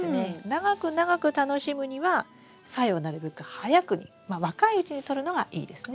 長く長く楽しむにはサヤをなるべく早くにまあ若いうちにとるのがいいですね。